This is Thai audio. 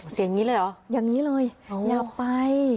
อย่างนี้เลยเหรออย่างนี้เลยอย่าไป